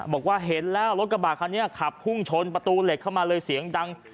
บอกว่าเห็นแล้วรถกระบาดคันนี้ขับพุ่งชนประตูเหล็กเข้ามาเลยเสียงดัง